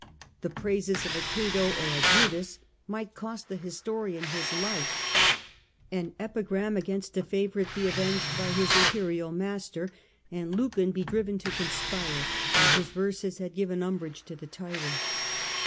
The praises of a Cato or a Brutus might cost the historian his life, an epigram against a favourite be avenged by his imperial master, and Lucan be driven to conspire when his verses had given umbrage to the tyrant.